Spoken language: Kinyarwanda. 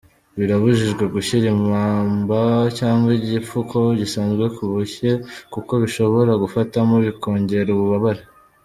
Birabujijwe gushyira ipamba cyangwa igipfuko gisanzwe ku bushye kuko bishobora gufatamo bikongera ububabare.